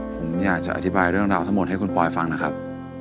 ผมอยากจะอธิบายเรื่องราวทั้งหมดให้คุณปอยฟังนะครับ